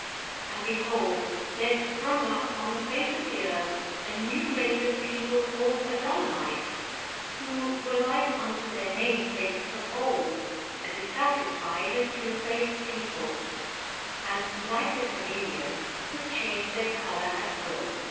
And behold there sprung up on the face of the earth a new race of people called Adullamites, who were like unto their namesakes of old, a dissatisfied and two faced people, and like the camelon could change their colour at will.